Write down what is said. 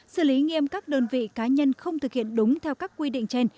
xử lý nghiêm các đơn vị cá nhân không thực hiện đúng theo các quy định trên